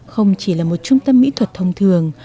không chỉ là một trung tâm mỹ thuật thông thường